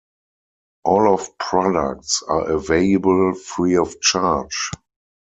All of products are available free of charge.